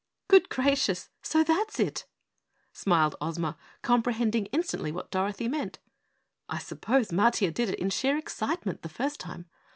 "Good gracious, so THAT'S it!" smiled Ozma, comprehending instantly what Dorothy meant. "I suppose Matiah did it in sheer excitement the first time.